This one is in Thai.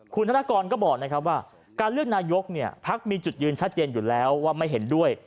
คุณธนกรก็บอกนะครับว่าการเลือกนายกพักมีจุดยืนชัดเจนอยู่แล้วว่าไม่เห็นด้วย